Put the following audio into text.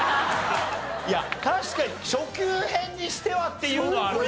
いや確かに初級編にしてはっていうのはあるね。